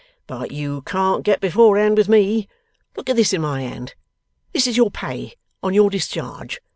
But you can't get beforehand with me. Look at this in my hand. This is your pay, on your discharge.